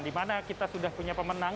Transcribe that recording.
di mana kita sudah punya pemenang